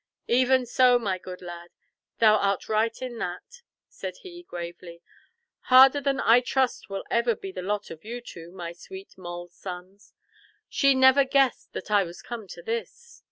"Even so, my good lad. Thou art right in that," said he gravely. "Harder than I trust will ever be the lot of you two, my sweet Moll's sons. She never guessed that I was come to this."